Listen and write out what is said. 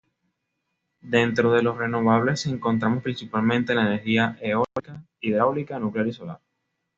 Dentro de los renovables encontramos principalmente la energía eólica, hidráulica, nuclear y solar.